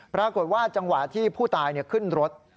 ปรากฏว่าจังหวะที่ผู้ตายขึ้นรถ